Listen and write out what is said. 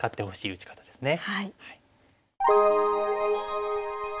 打ち方ですね。